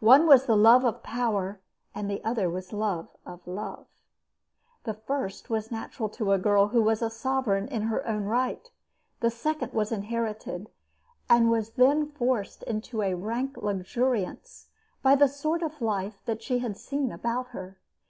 One was the love of power, and the other was the love of love. The first was natural to a girl who was a sovereign in her own right. The second was inherited, and was then forced into a rank luxuriance by the sort of life that she had seen about her.